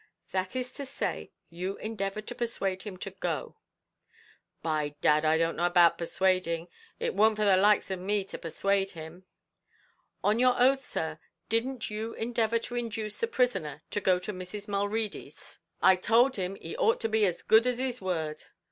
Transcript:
"That is to say, you endeavoured to persuade him to go?" "By dad, I don't know about persuading; it warn't for the likes of me to persuade him." "On your oath, sir, didn't you endeavour to induce the prisoner to go to Mrs. Mulready's?" "I towld him he ought to be as good as his word."